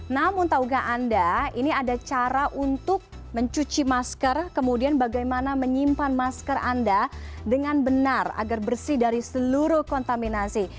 namun tahukah anda ini ada cara untuk mencuci masker kemudian bagaimana menyimpan masker anda dengan benar agar bersih dari seluruh kontaminasi